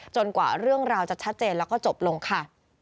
กว่าเรื่องราวจะชัดเจนแล้วก็จบลงค่ะ